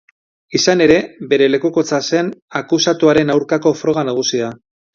Izan ere, bere lekukotza zen akusatuaren aurkako froga nagusia.